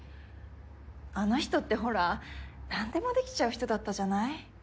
あの人ってほら何でもできちゃう人だったじゃない？